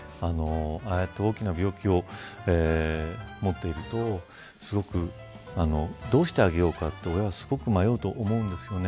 ああやって大きな病気を持っていると、すごくどうしてあげようかと親は迷うと思うんですよね。